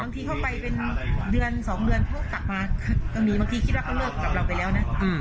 บางทีเขาไปเป็นเดือนสองเดือนเขากลับมาตอนนี้บางทีคิดว่าเขาเลิกกับเราไปแล้วน่ะอืม